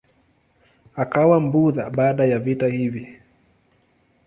Akawa Mbudha baada ya vita hivi.